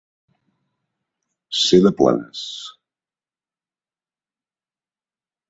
Ser de Planes.